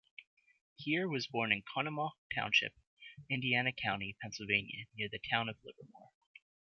Kier was born in Conemaugh Township, Indiana County, Pennsylvania near the town of Livermore.